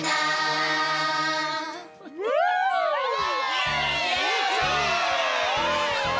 イエイ！